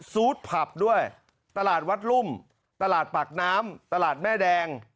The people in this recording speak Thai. ซูดผับด้วยตลาดวัดรุ่มตลาดปากน้ำตลาดแม่แดง